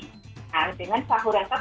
nah dengan sahur yang tepat